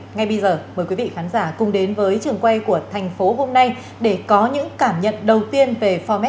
ngay bây giờ mời quý vị khán giả cùng đến với trường quay của thành phố hôm nay để có những cảm nhận đầu tiên về format mới này